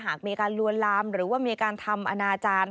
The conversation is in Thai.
หากมีการลวนลามหรือว่ามีการทำอนาจารย์